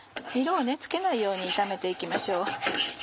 色をつけないように炒めて行きましょう。